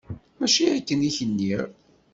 Mačči akken i k-nniɣ?